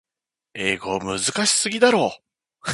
英語むずかしすぎだろ。